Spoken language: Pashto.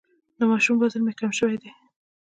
د ماشوم وزن مي کم سوی دی.